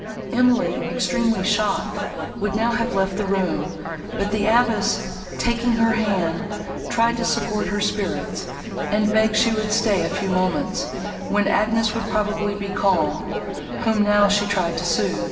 Emily, extremely shocked, would now have left the room; but the abbess, taking her hand, tried to support her spirits, and begged she would stay a few moments, when Agnes would probably be calm, whom now she tried to sooth.